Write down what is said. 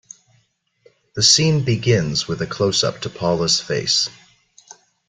The scene begins with a closeup to Paula's face.